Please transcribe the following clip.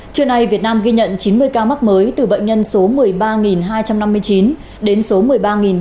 trưa nay việt nam ghi nhận chín mươi ca mắc mới từ bệnh nhân số một mươi ba hai trăm năm mươi chín đến số một mươi ba ba trăm bảy